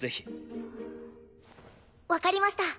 んっ分かりました。